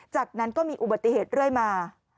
จากนั้นก็มีอุบัติเหตุเรื่อยมา